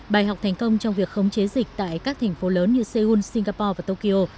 bài học thành công trong việc khống chế dịch tại các thành phố lớn như seoul singapore và tokyo